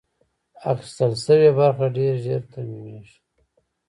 اخیستل شوې برخه ډېر ژر ترمیمېږي.